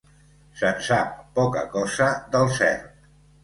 Se'n sap poca cosa del cert.